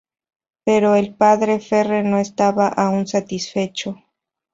Pero el Padre Ferre no estaba aún satisfecho.